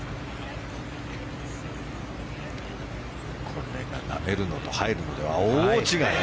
これがなめるのと入るのとでは大違い。